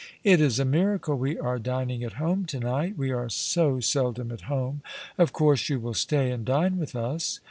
It is a miracle wo are dining at home to night. We are so seldom at home. Of course you will stay and dine with us.